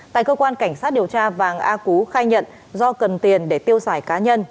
tại cơ quan cảnh sát điều tra vàng a cú khai nhận do cần tiền để tiêu xài cá nhân